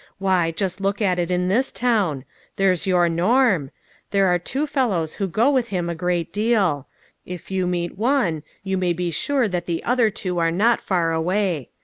Why, just look at it in this town. There's your Norm. There are two fellows who go with him a great deal. If you meet one, you may be sure that the other two are not far away.